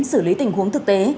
xử lý tình huống thực tế